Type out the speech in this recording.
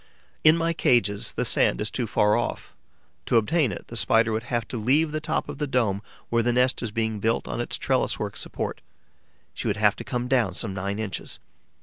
In my cages, the sand is too far off. To obtain it, the Spider would have to leave the top of the dome, where the nest is being built on its trellis work support; she would have to come down some nine inches.